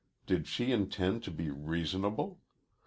Did she intend to be reasonable?